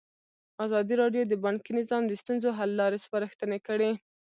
ازادي راډیو د بانکي نظام د ستونزو حل لارې سپارښتنې کړي.